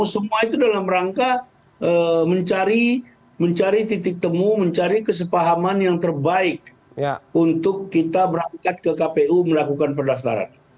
semua itu dalam rangka mencari titik temu mencari kesepahaman yang terbaik untuk kita berangkat ke kpu melakukan pendaftaran